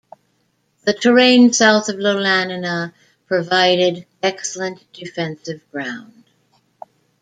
The terrain south of Ioannina provided excellent defensive ground.